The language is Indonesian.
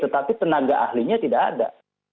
tetapi tenaga ahlinya tidak ada